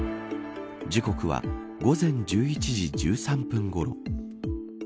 時刻は午前１１時１３分ごろ。